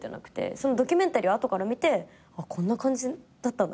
そのドキュメンタリーを後から見てこんな感じだったんだ